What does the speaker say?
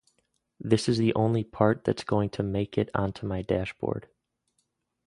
This is the only part that’s going to make it onto my dashboard.